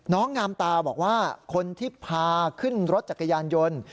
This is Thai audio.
งามตาบอกว่าคนที่พาขึ้นรถจักรยานยนต์